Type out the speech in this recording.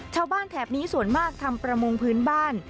แถบนี้ส่วนมากทำประมงพื้นบ้าน